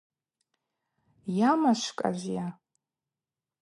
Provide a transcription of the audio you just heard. Йамашвкӏазйа?